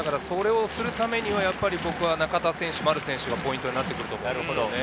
それをするためには僕は中田選手、丸選手がポイントになってくると思う。